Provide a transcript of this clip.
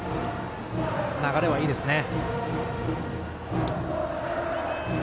流れはいいですね。